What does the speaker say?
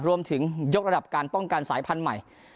ยกระดับการป้องกันสายพันธุ์ใหม่